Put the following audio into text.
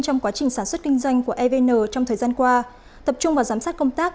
trong quá trình sản xuất kinh doanh của evn trong thời gian qua tập trung vào giám sát công tác